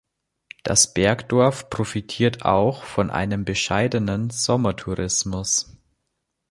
Das Bergdorf profitiert auch von einem bescheidenen Sommertourismus.